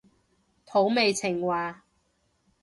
土味情話